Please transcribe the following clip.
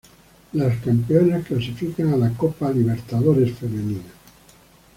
Las campeonas clasifican a la Copa Libertadores Femenina.